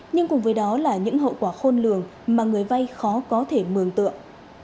nhưng cùng với đó là những hậu quả khôn lường mà người vay khó có thể mường tượng